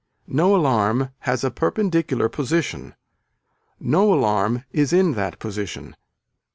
No alarm has a perpendicular position. No alarm is in that position.